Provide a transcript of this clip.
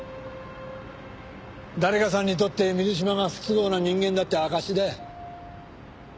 誰かさんにとって水島が不都合な人間だって証しだよ。